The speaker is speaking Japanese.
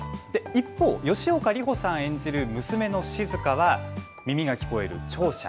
一方、吉岡里帆さん演じる娘の静は耳が聞こえる聴者。